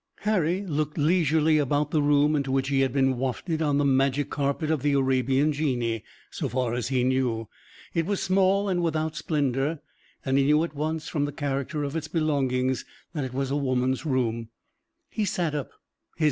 Harry looked leisurely about the room, into which he had been wafted on the magic carpet of the Arabian genii, so far as he knew. It was small and without splendor and he knew at once from the character of its belongings that it was a woman's room. He sat up.